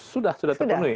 sudah sudah terpenuhi